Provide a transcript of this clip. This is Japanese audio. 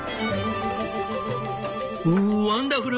「ウワンダフル！